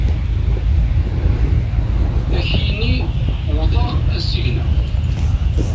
Ad ak-yini wwḍeɣ asigna.